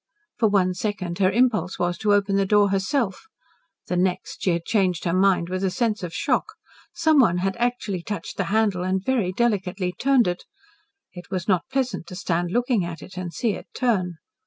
For one second her impulse was to open the door herself; the next, she had changed her mind with a sense of shock. Someone had actually touched the handle and very delicately turned it. It was not pleasant to stand looking at it and see it turn.